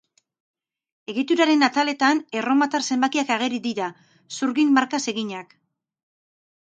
Egituraren ataletan erromatar zenbakiak ageri dira, zurgin-markaz eginak.